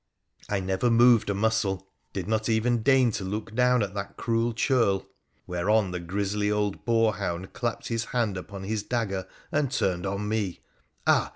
I never moved a muscle, did not even deign to look down at that cruel churl. Whereon the grizzly old boar hound clapped his band upon his dagger and turned on me— ah